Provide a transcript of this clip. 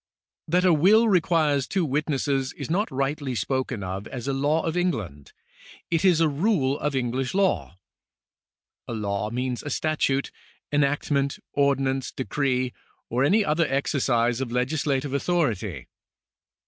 That a will requires two witnesses is not rightly spoken of as a law of England ; it is a rule of English law. A law means a statute, enactment, ordinance, decree, or any other exercise of legisla tive authority.